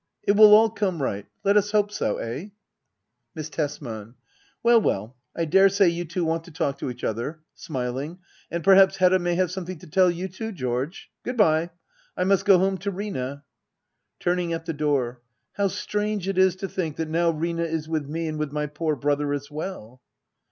It will all come right Let us hope so— eh } Miss Tesman. Well well, I daresay you two want to talk to each other. [Smiling.] And perhaps Hedda may have something to tefl you too, George. Good bye I I must go home to Rina. [Turning at the door.] How strange it is to think that now Rina is with me and with my poor brother as well